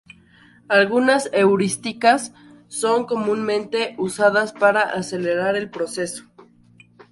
Algunas heurísticas son comúnmente usadas para acelerar el proceso.